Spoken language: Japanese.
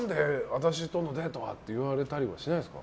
私とのデートは？とか言われたりしないんですか？